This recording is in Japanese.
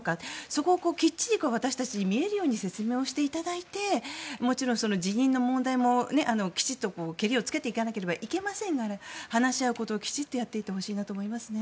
そこをきっちり私たちに見えるように説明をしていただいてもちろん、辞任の問題もきちんとけりをつけなければいけませんが、話し合うことをきちっとやってほしいと思いますね。